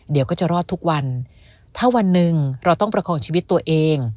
เดี๋ยวก็จะรอดทุกวันถ้าวันหนึ่งเราต้องประคองชีวิตตัวเอง